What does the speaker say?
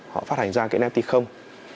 họ phát hành ra cái nft không